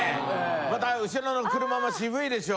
また後ろの車も渋いでしょ。